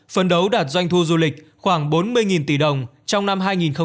phấn đấu đạt doanh thu du lịch khoảng bốn mươi tỷ đồng trong năm hai nghìn hai mươi bốn